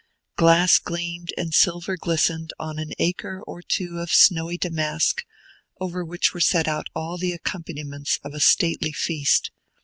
Glass gleamed and silver glistened on an acre or two of snowy damask, over which were set out all the accompaniments of a stately feast.